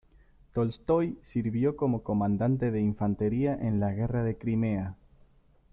Tolstói sirvió como comandante de infantería en la Guerra de Crimea.